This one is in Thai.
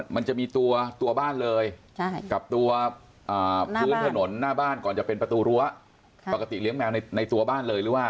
มันจะมีตัวบ้านเลยกับตัวพื้นถนนหน้าบ้านก่อนจะเป็นประตูรั้วปกติเลี้ยงแมวในตัวบ้านเลยหรือว่า